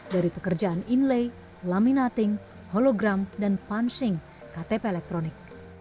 dari pekerjaan inlay laminating hologram dan punching ktp elektronik